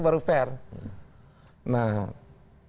kalau mereka mengatakan caranya keberatan tunjukkan caranya